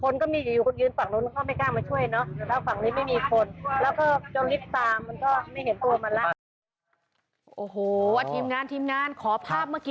แล้วก็ช่วยด้วยช่วยด้วยแล้วก็กระตุกส้วยแล้วก็ด่าไป